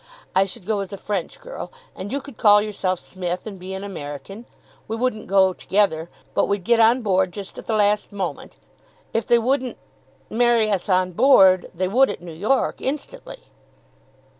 I should go as a French girl. And you could call yourself Smith, and be an American. We wouldn't go together, but we'd get on board just at the last moment. If they wouldn't marry us on board, they would at New York, instantly."